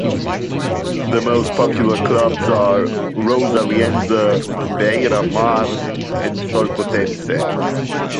The most popular clubs are Rosariense, Beira-Mar and Solpontense.